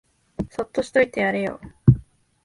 そっとしといてやれよ